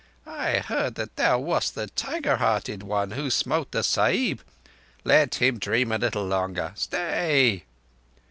I heard that thou wast the tiger hearted one who smote the Sahib. Let him dream a little longer. Stay!"